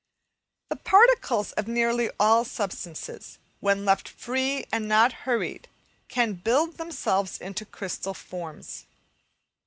The particles of nearly all substances, when left free and not hurried, can build themselves into crystal forms.